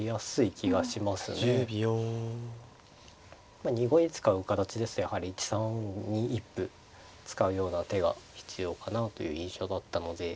まあ２五に使う形ですとやはり１三に一歩使うような手が必要かなという印象があったので。